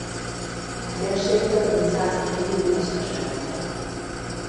A térség több mint száz évig pusztaság maradt.